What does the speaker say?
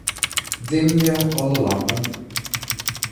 Dimje alle lampen.